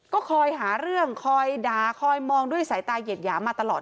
ก็คอยหาเรื่องคอยด่าคอยมองด้วยสายตาเหยียดหยามมาตลอด